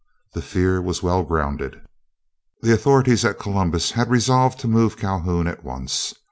The fear was well grounded. The authorities at Columbus had resolved to move Calhoun at once.